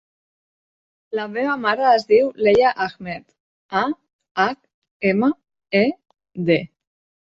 La meva mare es diu Leia Ahmed: a, hac, ema, e, de.